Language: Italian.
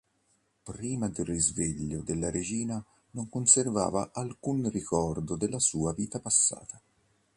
Prima del risveglio della regina non conservava alcun ricordo della sua vita passata.